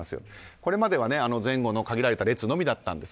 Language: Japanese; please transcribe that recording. これまでは前後の限られた列のみだったんです。